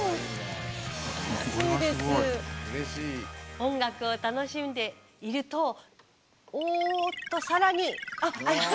音楽を楽しんでいるとおおっと更に。